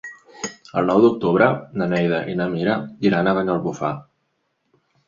El nou d'octubre na Neida i na Mira iran a Banyalbufar.